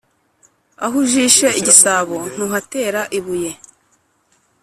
Aho ujishe igisabo ntuhatera ibuye.